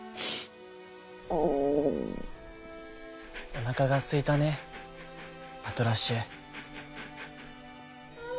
「おなかがすいたねパトラッシュ」。